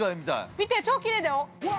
◆見て、超きれいだよ。